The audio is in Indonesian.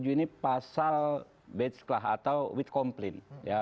dua ratus tujuh ini pasal bejklah atau with kompline